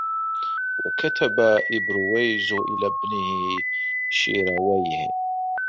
وَكَتَبَ إبْرُوِيزُ إلَى ابْنِهِ شِيرَوَيْهِ